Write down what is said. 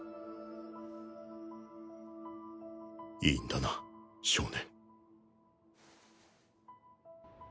いいんだな少年